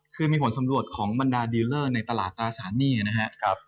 คือมีผลสำรวจของบรรดาดีลเลอร์ในตลาดตราสารหนี้นะครับ